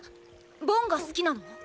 ボンが好きなの？